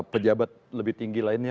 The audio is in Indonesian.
pejabat lebih tinggi lainnya